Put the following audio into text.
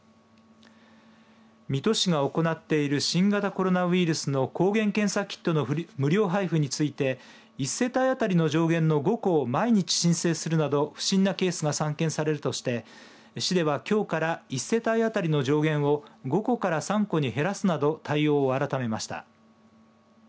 水戸市が行っている新型コロナウイルスの抗原検査キットの無料配布について１世帯当たりの上限の５個を毎日、申請するなど不審なケースが散見されるとして市では、きょうから１世帯当たりの上限を５個から３個に減らすなど対応を改めました。